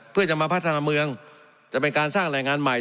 เพื่อจะมาพัฒนาเมืองจะเป็นการสร้างแรงงานใหม่